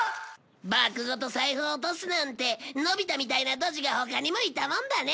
バッグごと財布を落とすなんてのび太みたいなドジが他にもいたもんだね！